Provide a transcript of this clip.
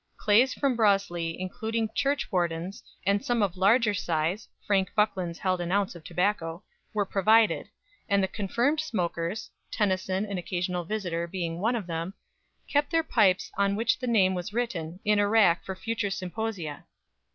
Clays from Broseley, including 'churchwardens' and some of larger size (Frank Buckland's held an ounce of tobacco) were provided, and the confirmed smokers (Tennyson, an occasional visitor, being one of them) kept their pipes, on which the name was written, in a rack for future symposia."